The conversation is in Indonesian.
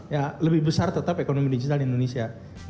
ya lebih besar tetap ekonomi digital di indonesia